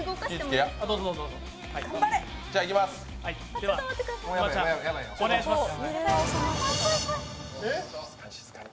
ではお願いします。